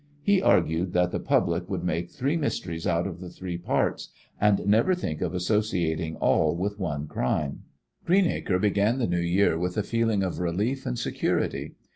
He argued that the public would make three mysteries out of the three parts and never think of associating all with one crime. Greenacre began the new year with a feeling of relief and security.